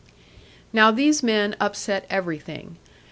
Now these men upset everything.